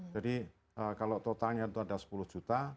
jadi kalau totalnya itu ada sepuluh juta